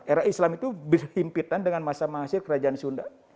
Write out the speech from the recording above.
era islam itu berhimpitan dengan masa masa kerajaan sunda